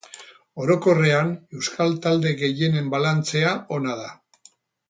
Orokorrean euskal talde gehienen balantzea ona da.